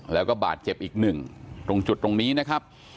แล้วก็บาดเจ็บอีกหนึ่งตรงจุดตรงนี้นะครับ